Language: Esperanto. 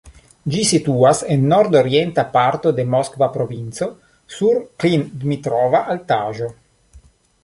Ĝi situas en nord-orienta parto de Moskva provinco sur Klin-Dmitrova altaĵo.